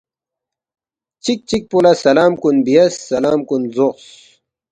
چِک چِکپو لہ سلام کُن بیاس، سلام کُن لزوقس